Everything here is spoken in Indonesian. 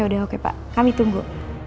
udah oke pak kami tunggu